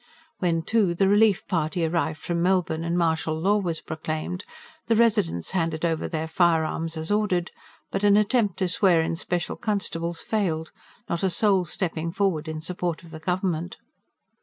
When, too, the relief party arrived from Melbourne and martial law was proclaimed, the residents handed over their firearms as ordered; but an attempt to swear in special constables failed, not a soul stepping forward in support of the government.